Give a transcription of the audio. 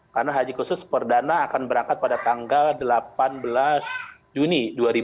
jadi haji khusus perdana akan berangkat pada tanggal delapan belas juni dua ribu dua puluh dua